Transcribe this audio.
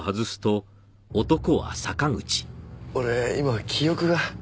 俺今記憶が。